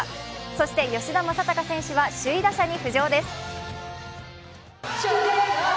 そして吉田正尚選手は首位打者に浮上です。